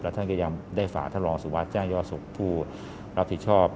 และท่านก็ยังได้ฝ่าทรสุวรรษแจ้งยอสุขผู้รับถิดชอบ